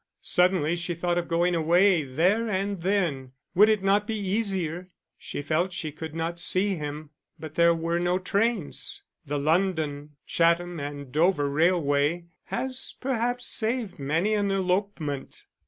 Suddenly she thought of going away there and then would it not be easier? She felt she could not see him. But there were no trains: the London, Chatham, and Dover Railway has perhaps saved many an elopement.